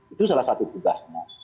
itu salah satu tugasnya